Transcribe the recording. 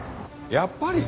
やっぱり？